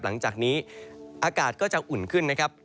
หลังจากนี้อากาศก็จะอุ่นขึ้นนะครับ